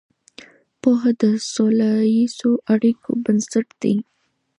پوهه د سوله ییزو اړیکو بنسټ دی.